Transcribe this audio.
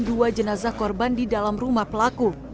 dua jenazah korban di dalam rumah pelaku